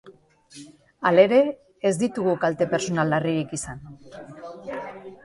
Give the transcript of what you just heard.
Halere, ez ditugu kalte pertsonal larririk izan.